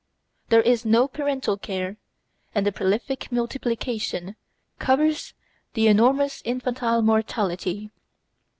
There is no parental care, and the prolific multiplication covers the enormous infantile mortality.